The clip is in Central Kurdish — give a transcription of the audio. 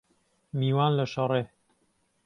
میوان له شەڕێ